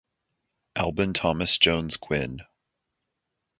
Alban Thomas Jones Gwynne.